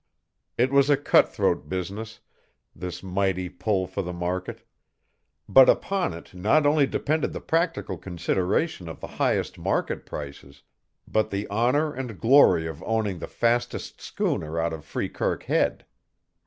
It was a cutthroat business, this mighty pull for the market; but upon it not only depended the practical consideration of the highest market prices, but the honor and glory of owning the fastest schooner out of Freekirk Head.